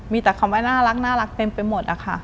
มีแต่คำว่าน่ารักเต็มไปหมดอะค่ะ